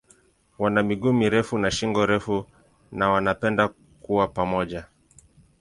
Wana miguu mirefu na shingo refu na wanapenda kuwa pamoja.